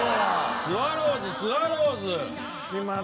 スワローズスワローズ！しまった。